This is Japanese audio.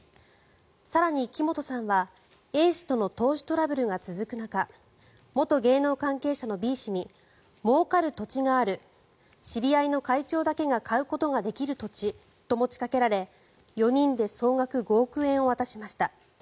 更に、木本さんはＡ氏との投資トラブルが続く中元芸能関係者のＢ氏にもうかる土地がある知り合いの会長だけが買うことができる土地と持ちかけられ４人で総額５億円を渡しました。